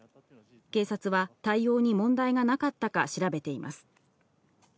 警察は対応に問題がなかったか調べています。